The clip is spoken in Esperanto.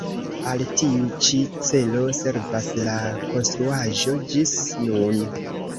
Al tiu ĉi celo servas la konstruaĵo ĝis nun.